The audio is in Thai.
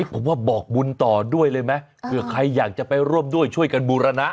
ผมว่าบอกบุญต่อด้วยเลยไหมเผื่อใครอยากจะไปร่วมด้วยช่วยกันบูรณะ